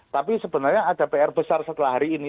tapi sebenarnya ada pr besar setelah hari ini